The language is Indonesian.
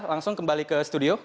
langsung kembali ke studio